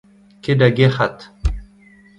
Kae da gerc'hat !